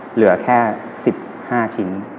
เหลือแค่๑๕ชิ้น